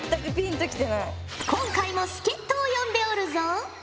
今回も助っ人を呼んでおるぞ。